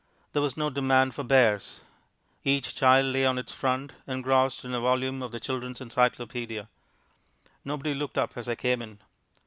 There was no demand for bears. Each child lay on its front, engrossed in a volume of The Children's Encyclopaedia. Nobody looked up as I came in.